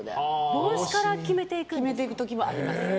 帽子から決めていくこともあります。